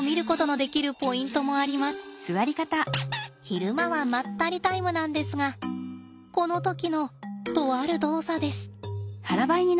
昼間はまったりタイムなんですがこの時のとある動作です。